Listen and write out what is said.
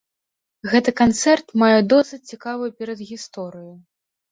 Гэты канцэрт мае досыць цікавую перадгісторыю.